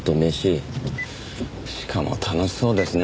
しかも楽しそうですね。